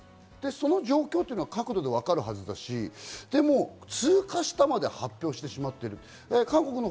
その状況というのは角度でわかるはずだし、でも、通過したまで発表してしまってる。